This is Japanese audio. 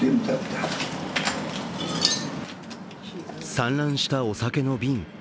散乱したお酒の瓶。